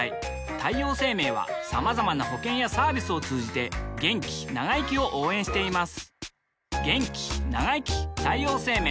太陽生命はまざまな保険やサービスを通じて気長生きを応援しています